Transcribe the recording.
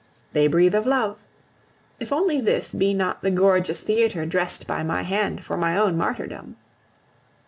They breathe of love. If only this be not the gorgeous theatre dressed by my hand for my own martyrdom!